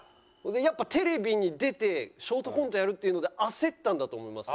やっぱテレビに出てショートコントやるっていうので焦ったんだと思いますね。